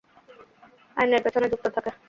আইনের পেছনে যুক্তি থাকে।